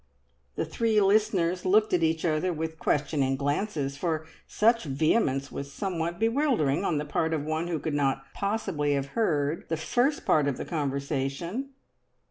The three listeners looked at each other with questioning glances, for such vehemence was somewhat bewildering on the part of one who could not possibly have heard the first part of the conversation.